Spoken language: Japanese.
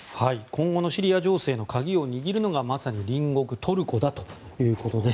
今後のシリア情勢の鍵を握るのがまさに隣国のトルコだということです。